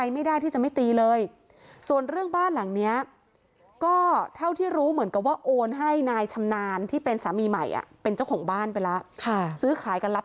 ไม่ได้รู้เรื่องเลยอะ